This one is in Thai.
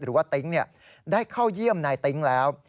ติ๊งได้เข้าเยี่ยมนายติ๊งแล้ว